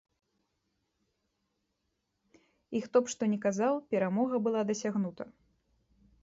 І хто б што ні казаў, перамога была дасягнута.